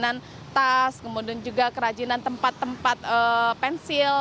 makanan tas kemudian juga kerajinan tempat tempat pensil